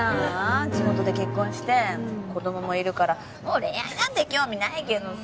地元で結婚して子供もいるからもう恋愛なんて興味ないけどさ。